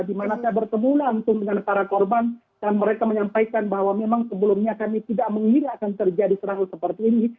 di mana saya bertemu langsung dengan para korban dan mereka menyampaikan bahwa memang sebelumnya kami tidak mengira akan terjadi serangan seperti ini